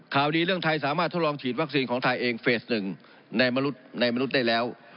ข่าวดีเรื่องไทยสามารถทดลองฉีดวัคซีนของไทยเองเฟสหนึ่งในมนุษย์ได้แล้ว